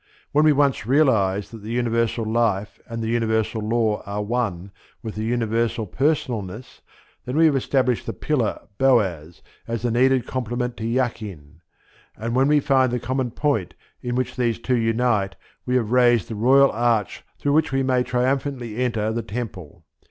When we once realize that the universal Life and the universal Law are one with the universal Personalness, then we have established the pillar Boaz as the needed complement to Jachin; and when we find the common point in which these two unite, we have raised the Royal Arch through which we may triumphantly enter the Temple.